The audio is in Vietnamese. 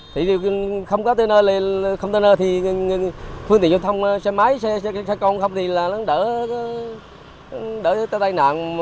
thì không có container thì phương tiện giao thông xe máy xe con không thì đỡ tai nạn